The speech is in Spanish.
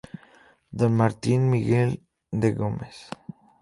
Don Martín Miguel de Güemes.